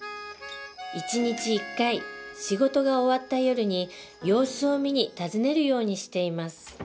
一日１回仕事が終わった夜に様子を見に訪ねるようにしています